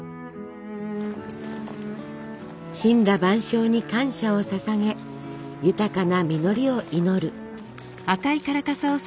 森羅万象に感謝をささげ豊かな実りを祈る。